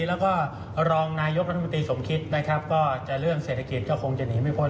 และก็รองนายกรรธมตรีสมคิดเรื่องเศรษฐกิจก็คงจะหนีไม่พ้น